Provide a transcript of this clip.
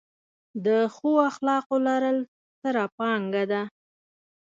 د ښو اخلاقو لرل، ستره پانګه ده.